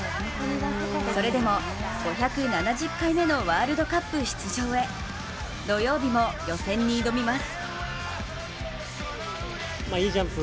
それでも５７０回目のワールドカップ出場へ、土曜日も予選に挑みます。